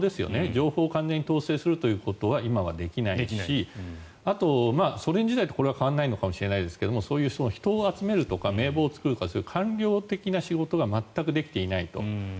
情報を完全に統制することは今はできないしあと、ソ連時代とこれは変わらないかもしれませんがそういう人を集めるとか名簿を作るとかっていう官僚的な仕事が全くできていないと。